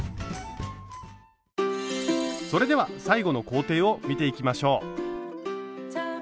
それでは最後の工程を見ていきましょう。